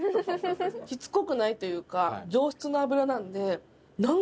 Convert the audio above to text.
しつこくないというか上質な脂なんで。